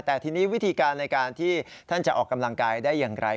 แต่ทีนี้วิธีการในการที่ท่านจะออกกำลังกายได้อย่างไร